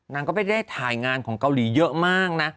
นางก็ไม่ได้ถ่ายงานของเกาหลีเยอะมากนะ